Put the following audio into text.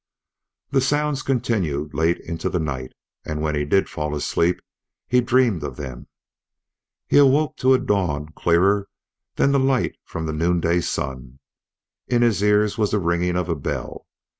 The sounds continued late into the night, and when he did fall asleep he dreamed of them. He awoke to a dawn clearer than the light from the noonday sun. In his ears was the ringing of a bell.